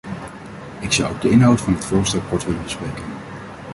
Ik zou ook de inhoud van het voorstel kort willen bespreken.